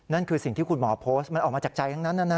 นั่นคือสิ่งที่คุณหมอโพสต์มันออกมาจากใจทั้งนั้นนะ